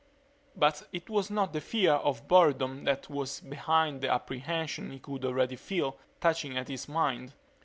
But it was not the fear of boredom that was behind the apprehension he could already feel touching at his mind.